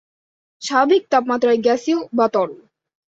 স্বাভাবিক তাপমাত্রায় গ্যাসীয়/তরল।